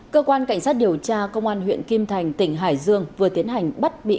cơ quan cảnh sát điều tra công an huyện kim thành tỉnh hải dương vừa tiến hành bắt bị